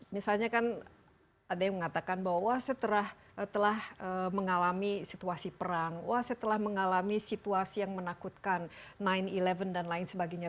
misalnya kan ada yang mengatakan bahwa setelah mengalami situasi perang wah setelah mengalami situasi yang menakutkan sembilan sebelas dan lain sebagainya